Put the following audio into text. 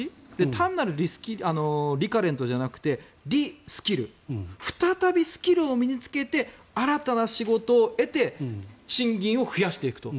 単なるリカレントじゃなくてリスキル再びスキルを身に着けて新たな仕事を得て賃金を増やしていくと。